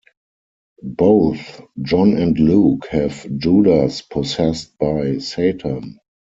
Both John and Luke have Judas possessed by Satan.